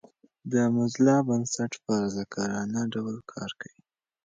د موزیلا بنسټ په رضاکارانه ډول کار کوي.